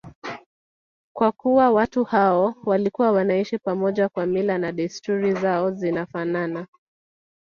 Kwa kuwa watu hao walikuwa wanaishi pamoja na mila na desturi zao zinafanana